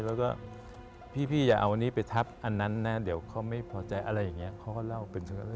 แล้วก็พี่อย่าเอาอันนี้ไปทับอันนั้นนะเดี๋ยวเขาไม่พอใจอะไรอย่างนี้เขาก็เล่าเป็นเถอะ